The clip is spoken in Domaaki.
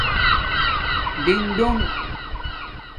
ڈِڈِنگ